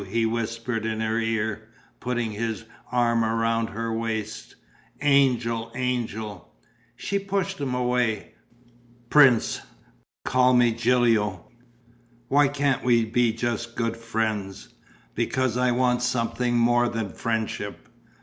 he whispered in her ear, putting his arm round her waist. "Angel! Angel!" She pushed him away: "Prince...." "Call me Gilio!" "Why can't we be just good friends?" "Because I want something more than friendship."